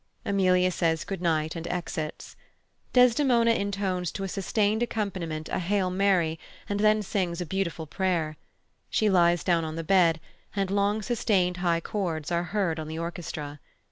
Emilia says "Good night," and exits. Desdemona intones to a sustained accompaniment a "Hail, Mary," and then sings a beautiful prayer. She lies down on the bed, and long sustained high chords are heard on the orchestra.